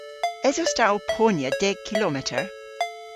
Esos ta ow ponya deg kilometer?